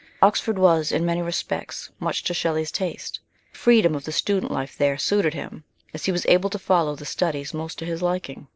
Oxford was, in many respects, much to Shelley's taste. The freedom of the student life there suited him, as he was able to follow the studies most to his liking.